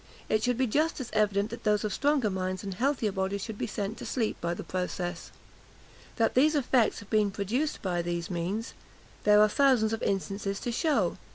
It is just as evident that those of stronger minds and healthier bodies should be sent to sleep by the process. That these effects have been produced by these means, there are thousands of instances to shew.